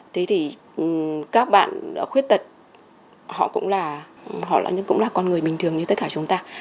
thế thì các bạn khuyết tật họ cũng là con người bình thường như tất cả chúng ta